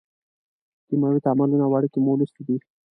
کیمیاوي تعاملونه او اړیکې مو لوستې دي.